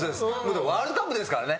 だってワールドカップですからね。